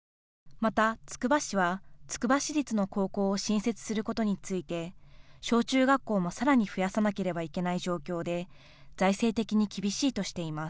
またつくば市は、つくば市立の高校を新設することについて小中学校もさらに増やさなければいけない状況で財政的に厳しいとしています。